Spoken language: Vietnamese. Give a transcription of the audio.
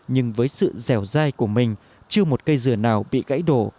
nhưng với sự dẻo dai của mình chưa một cây dừa nào bị gãy đổ